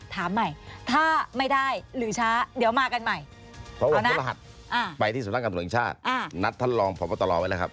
ไปที่สำนักการณ์ศูนย์อังกฤษชาตินัดทันรองพรพตรรอไว้แล้วครับ